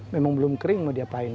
memang belum kering mau diapain